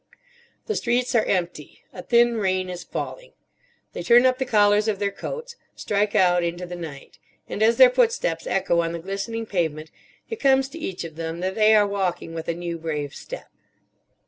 The streets are empty. A thin rain is falling. They turn up the collars of their coats; strike out into the night. And as their footsteps echo on the glistening pavement it comes to each of them that they are walking with a new, brave step.